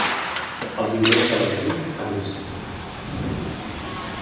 El diumenge, a les vuit, a missa